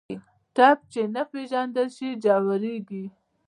ټپ چې نه پېژندل شي، ژورېږي.